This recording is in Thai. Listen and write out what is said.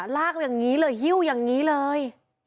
ลากอย่างนี้เลยฮิ้วอย่างนี้เลย